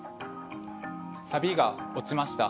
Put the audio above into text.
サビが落ちました。